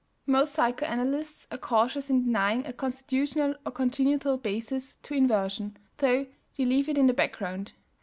Most psychoanalysts are cautious in denying a constitutional or congenital basis to inversion, though they leave it in the background.